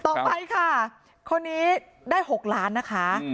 ต่อไปค่ะคนนี้ได้๖ล้านนะคะ